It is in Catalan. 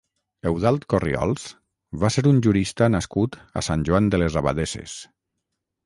Eudald Corriols va ser un jurista nascut a Sant Joan de les Abadesses.